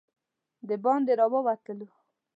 د باندې راووتلو.